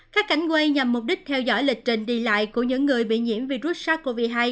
các cảnh quay nhằm mục đích theo dõi lịch trình đi lại của những người bị nhiễm virus sars cov hai